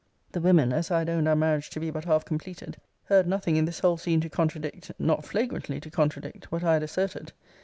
The women, as I had owned our marriage to be but half completed, heard nothing in this whole scene to contradict (not flagrantly to contradict) what I had asserted.